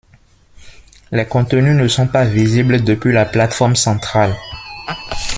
Les contenus ne sont pas visibles depuis la plate-forme centrale.